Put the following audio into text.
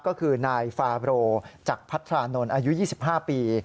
ก็คือนายฟาโรจักรพัทรานนท์อายุ๒๕ปี